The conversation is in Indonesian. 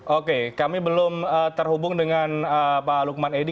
oke kami belum terhubung dengan pak lukman edi